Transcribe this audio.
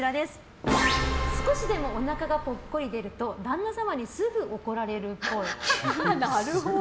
少しでもおなかがぽっこり出ると旦那様にすぐ怒られるっぽい。